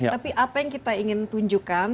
tapi apa yang kita ingin tunjukkan